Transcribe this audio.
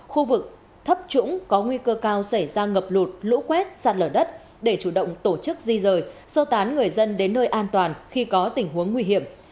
khu vực thấp trũng có nguy cơ cao xảy ra ngập lụt lũ quét sạt lở đất để chủ động tổ chức di rời sơ tán người dân đến nơi an toàn khi có tình huống nguy hiểm